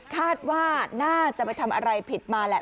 คาดว่าน่าจะไปทำอะไรผิดมาแหละ